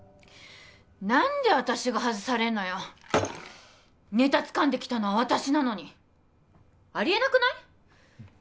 何で私が外されるのよネタつかんできたのは私なのにありえなくない？